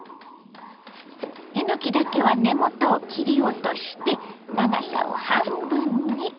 えのきだけは根元を切り落として長さを半分に。